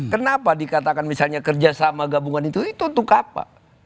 kenapa dikatakan misalnya kerjasama gabungan itu itu untuk apa